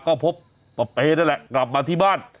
ก็พบปะเป๊นั่นแหละกลับมาที่บ้าน